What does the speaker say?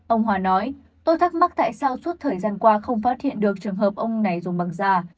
ông hòa nói tôi thắc mắc tại sao suốt thời gian qua không phát hiện được trường hợp ông này dùng bằng già